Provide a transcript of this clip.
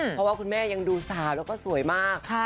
เพราะว่าคุณแม่ยังดูสาวแล้วก็สวยมาก